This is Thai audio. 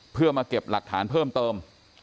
เพื่อมาเก็บหลักฐานเพิ่มเติม